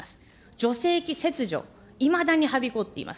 女性器切除、いまだにはびこっています。